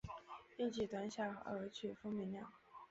乐曲短小而曲风明亮。